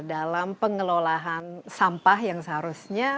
dalam pengelolaan sampah yang seharusnya